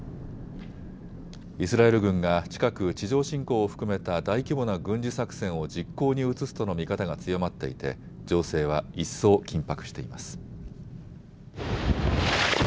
イスラエル軍が近く地上侵攻を含めた大規模な軍事作戦を実行に移すとの見方が強まっていて情勢は一層緊迫しています。